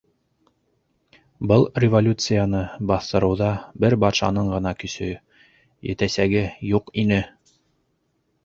— Был революцияны баҫтырыуҙа бер батшаның ғына көсө етәсәге юҡ ине.